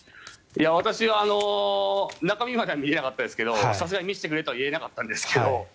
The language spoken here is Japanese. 私、中身までは見れなかったですけどさすがに見せてくれとは言えなかったんですけど